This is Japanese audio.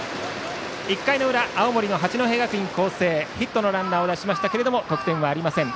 １回の裏、青森の八戸学院光星ヒットのランナーを出しましたが得点はありません。